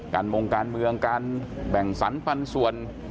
การมงการเมืองการแบ่งสรรพันธุ์ส่วน